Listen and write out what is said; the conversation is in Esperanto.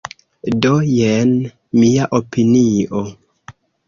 Do jen mia opinio.